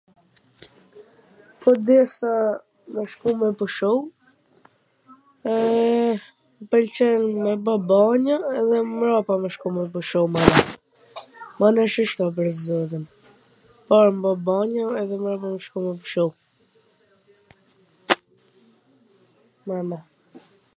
Po desha me shku me pushu, e, m pwlqen me ba banjo, edhe mrapa me shku me pushu mana. Mana shsihto pwr zotin. Ma par bwj banjo edhe mrapa me shku me pushu, mana.